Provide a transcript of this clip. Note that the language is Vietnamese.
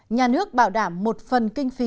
nhà nước bảo đảm một phần kinh phí